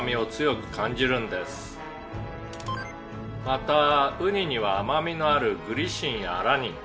「またウニには甘みのあるグリシンやアラニン